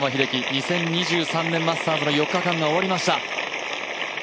２０２３年マスターズの４日間が終わりました。